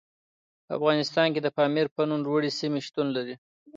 په افغانستان کې د پامیر په نوم لوړې سیمې شتون لري.